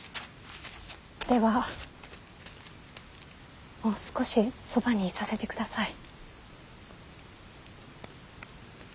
ではもう少しそばにいさせてください。